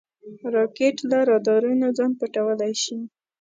راکټ له رادارونو ځان پټولی شي